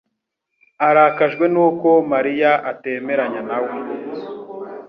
arakajwe nuko Mariya atemeranya nawe.